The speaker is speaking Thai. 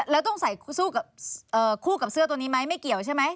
แล้วต้องใส่สู้กับคู่กับเสื้อตัวนี้ไหมไม่เกี่ยวใช่ไหม